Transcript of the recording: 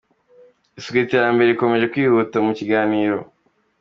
Isuku Iterambere rikomeje kwihuta mu kiganiro.